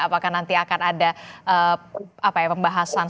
apakah nanti akan ada apa ya pembahasan